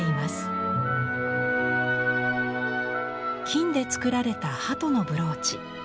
金で作られた鳩のブローチ。